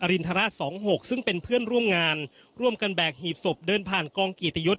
รินทราชสองหกซึ่งเป็นเพื่อนร่วมงานร่วมกันแบกหีบศพเดินผ่านกองเกียรติยศ